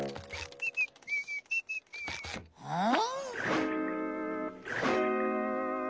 うん？